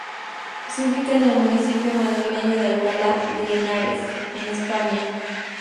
Se ubicaba en el municipio madrileño de Alcalá de Henares, en España.